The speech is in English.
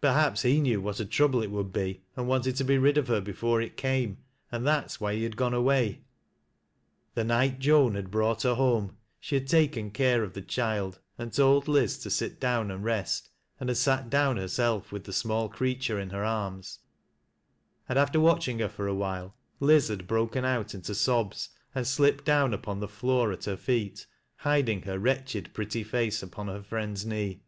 Perhaps he knew what a trouble it would be, and wanted to be rid of her before it came, and that was why he had gone away. The night Joan had brought her home she had taken care of the child, and told Liz to sit down and rest, and had sat down herself with the small creature in her arms, and after watching her for a while, Liz had broken out into sobs, and slipped down upon the floor at her feet, hiding her wretched pretty face upon her friend's knee.